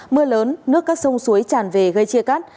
mưa lớn nước các sông suối tràn về gây chia cắt